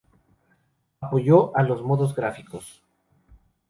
Apoyo a los modos gráficos.